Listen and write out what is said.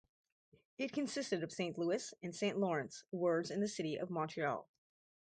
It consisted of Saint Louis and Saint Lawrence wards in the city of Montreal.